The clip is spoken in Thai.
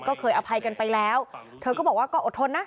ก็เคยอภัยกันไปแล้วเธอก็บอกว่าก็อดทนนะ